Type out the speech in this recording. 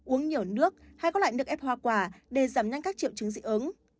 uống nhiều nước hay các loại nước ép hoa quả để giảm nhanh các triệu chứng dị ứng